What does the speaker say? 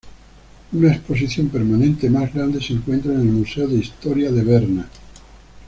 Una exposición permanente más grande se encuentra en el Museo de Historia de Berna.